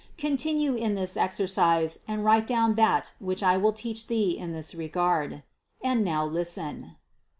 Continue in this exercise and write down that which I will teach thee in this regard. And now listen.